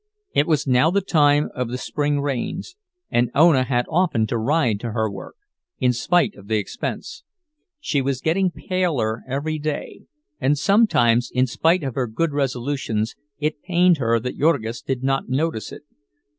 It was now the time of the spring rains, and Ona had often to ride to her work, in spite of the expense; she was getting paler every day, and sometimes, in spite of her good resolutions, it pained her that Jurgis did not notice it.